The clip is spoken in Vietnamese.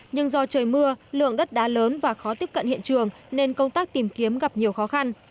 nhưng do trời mưa lượng đất đá lớn và khó tiếp cận hiện trường nên công tác tìm kiếm gặp nhiều khó khăn